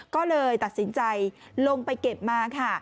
ก็เลยตัดสินใจลงไปเก็บมาค่ะ